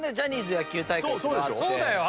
そうだよ。